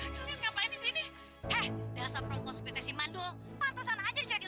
sampai jumpa di video selanjutnya